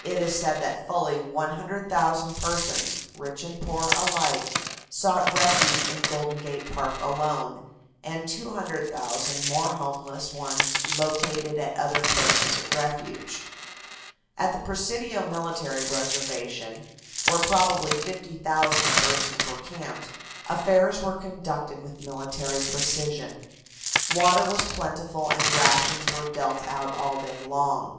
It is said that fully 100,000 persons, rich and poor alike, sought refuge in Golden Gate Park alone, and 200,000 more homeless ones located at the other places of refuge. At the Presidio military reservation, where probably 50,000 persons were camped, affairs were conducted with military precision. Water was plentiful and rations were dealt out all day long.